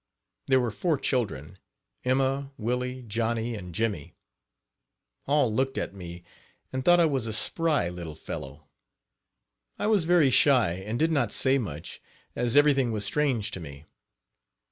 There were four children, Emma, Willie, Johnnie and Jimmie. All looked at me, and thought I was "a spry little fellow." I was very shy and did not say much, as everything was strange to me.